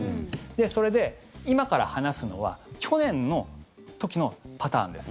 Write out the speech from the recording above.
それで今から話すのは去年の時のパターンです。